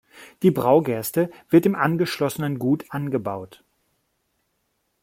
Die Braugerste wird im angeschlossenen Gut angebaut.